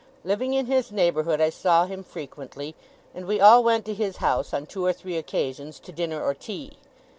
Living in his neighbourhood, I saw him frequently; and we all went to his house on two or three occasions to dinner or tea.